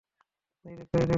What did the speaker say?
এই দেখো, এই দেখো।